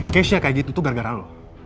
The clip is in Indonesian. keisha kayak gitu tuh gara gara lo